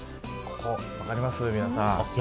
分かります、皆さん。